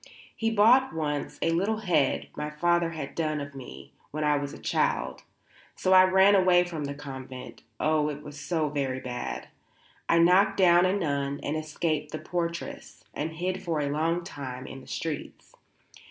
He bought once a little head my father had done of me when I was a child. So I ran away from the convent oh, it was very bad; I knocked down a nun and escaped the portress, and hid for a long time in the streets.